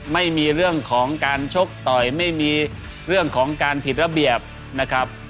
ไม่มีเรื่องของการชกต่อยไม่มีเรื่องของการผิดระเบียบนะครับ